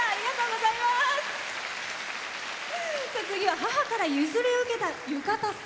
次は母から譲り受けた浴衣姿。